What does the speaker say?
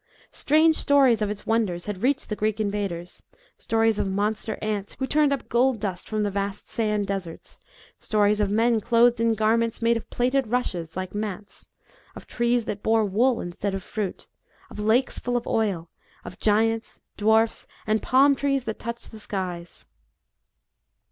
Strange stories of its wonders, had reached the Greek B.C. 326.] KING PORUS. 145 invaders stories of monster ants, who turned up gold dust from the vast sand deserts ; stories of men clothed in garments, made of plaited rushes, like mats ; of trees that bore wool, instead of fruit ; of lakes full of oil ; of giants, dwarfs, and palm trees that touched the skies.